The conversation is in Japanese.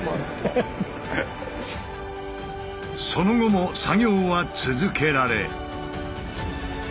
その後も作業は続けられ。